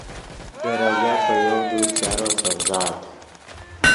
دے ریژہ پے یَوۡ دیر چارو سڤزاد